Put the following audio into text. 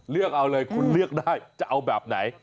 เลือกเอาเลยคุณเลือกได้จะเอาแบบไหน